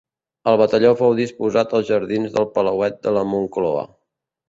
El Batalló fou disposat als jardins del palauet de la Moncloa.